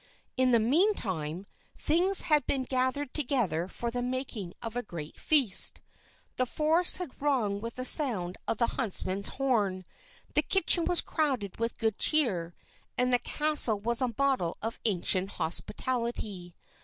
In the meantime, things had been gathered together for the making of a great feast. The forests had rung with the sound of the huntsman's horn. The kitchen was crowded with good cheer, and the castle was a model of ancient hospitality.